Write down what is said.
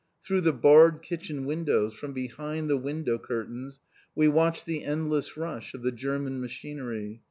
Through the barred kitchen windows, from behind the window curtains, we watched the endless rush of the German machinery.